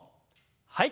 はい。